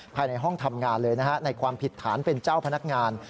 ภายในห้องทำงานเลยนะฮะในความผิดฐานเป็นเจ้าพนักงาน